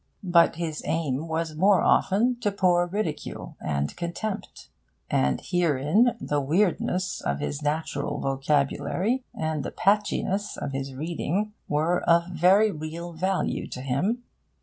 But his aim was more often to pour ridicule and contempt. And herein the weirdness of his natural vocabulary and the patchiness of his reading were of very real value to him.